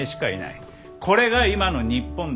これが今の日本だ。